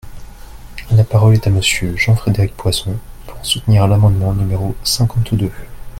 La parole est à Monsieur Jean-Frédéric Poisson, pour soutenir l’amendement numéro cinquante-deux.